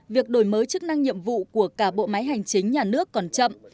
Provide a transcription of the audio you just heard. việc đổi mới chức năng nhiệm vụ của cả bộ máy hành chính nhà nước còn chậm